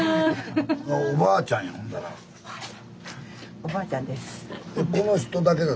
おばあちゃんです。